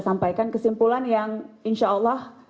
sampaikan kesimpulan yang insya allah